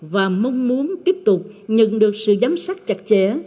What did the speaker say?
và mong muốn tiếp tục nhận được sự giám sát chặt chẽ